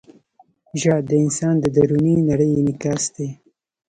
• ژړا د انسان د دروني نړۍ انعکاس دی.